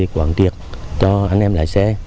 quản triệt cho anh em lái xe